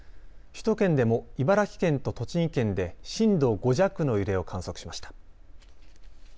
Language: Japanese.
首都圏でも茨城県と栃木県で震度５弱の揺れを観測しました。